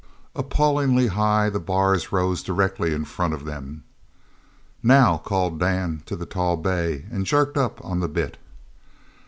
Appallingly high the bars rose directly in front of them. "Now!" called Dan to the tall bay, and jerked up on the bit.